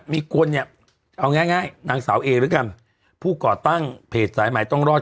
มีคนเนี่ยเอาง่ายง่ายนางสาวเอด้วยกันผู้ก่อตั้งเพจสายใหม่ต้องรอด